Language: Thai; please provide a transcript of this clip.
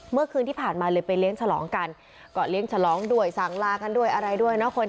เมื่อคืนที่ผ่านมาเลยไปเลี้ยงฉลองกันก็เลี้ยงฉลองด้วยสั่งลากันด้วยอะไรด้วยเนาะ